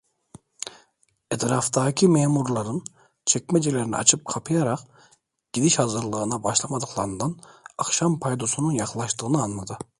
Etraftaki memurların çekmecelerini açıp kapayarak gidiş hazırlığına başlamalarından akşam paydosunun yaklaştığı anladı.